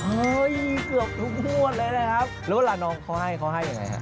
เกือบทุกมวดเลยนะครับแล้วว่าน้องเขาให้อย่างไรครับ